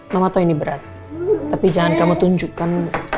nama toh ini berat tapi jangan kamu tunjukkan